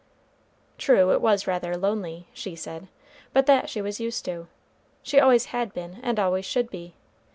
True, it was rather lonely, she said, but that she was used to, she always had been and always should be.